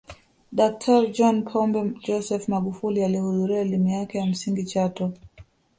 Daktari John Pombe Joseph Magufuli alihudhuria elimu yake ya msingi chato